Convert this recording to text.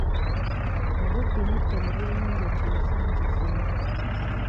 Obubbi n'ettemu byeyongedde ensagi zino.